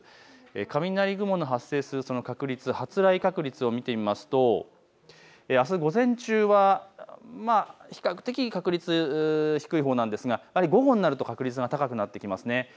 雷雲の発生する確率、発雷確率を見てみますとあす午前中は比較的、確率低いほうなんですが午後になると確率が高くなってきます。